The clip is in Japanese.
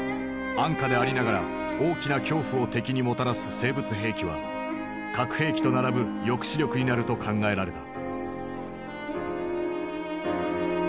安価でありながら大きな恐怖を敵にもたらす生物兵器は核兵器と並ぶ抑止力になると考えられた。